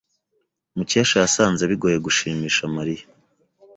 Mukesha yasanze bigoye gushimisha Mariya.